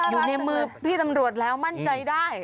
อยู่ในมือพี่ตำรวจแล้วมั่นใจได้